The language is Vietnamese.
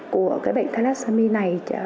của cái bệnh thalassemia này